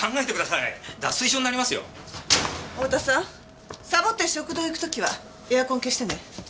さぼって食堂行く時はエアコン消してね。